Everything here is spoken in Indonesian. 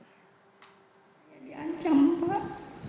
dia diancam pak